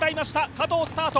加藤スタート。